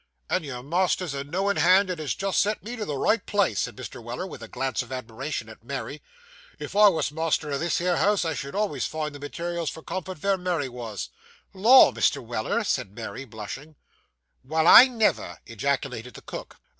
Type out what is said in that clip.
'And your master's a knowin' hand, and has just sent me to the right place,' said Mr. Weller, with a glance of admiration at Mary. 'If I wos master o' this here house, I should alvays find the materials for comfort vere Mary wos.' Lor, Mr. Weller!' said Mary blushing. 'Well, I never!' ejaculated the cook.